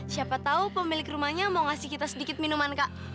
siapa tahu pemilik rumahnya mau ngasih kita sedikit minuman kak